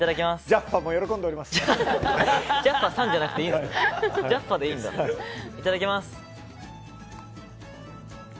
いただきます。